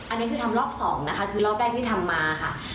อันนี้คือทำรอบสองนะคะคือรอบแรกที่ทำมาค่ะ